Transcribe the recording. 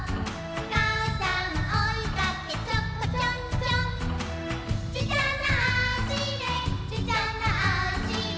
「かあさんおいかけちょこちょんちょん」「ちっちゃなあしでちっちゃなあしで」